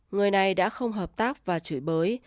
người này đã không hợp tác và chửi bới